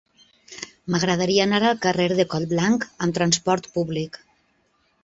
M'agradaria anar al carrer de Collblanc amb trasport públic.